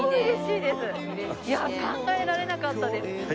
いや考えられなかったです。